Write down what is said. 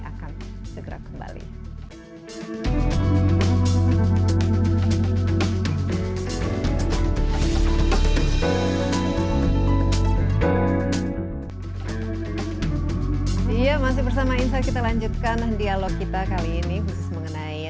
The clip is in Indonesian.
akan segera kembali ya masih bersama insight kita lanjutkan dialog kita kali ini khusus mengenai